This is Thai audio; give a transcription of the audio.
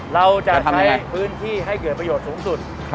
เราจะทำให้พื้นที่ให้เกิดประโยชน์สูงสุด